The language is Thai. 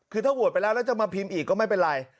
คือถ้าโหวตไปแล้วแล้วจะมาพิมพ์อีกก็ไม่เป็นไร